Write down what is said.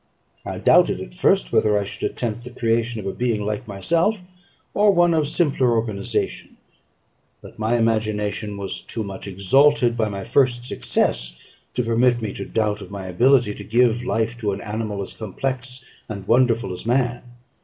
I doubted at first whether I should attempt the creation of a being like myself, or one of simpler organization; but my imagination was too much exalted by my first success to permit me to doubt of my ability to give life to an animal as complex and wonderful as man.